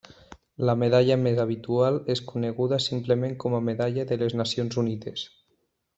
La medalla més habitual és coneguda simplement com a Medalla de les Nacions Unides.